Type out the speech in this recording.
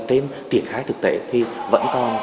trên tiền khai thực tế thì vẫn còn